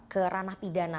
ke ranah pidana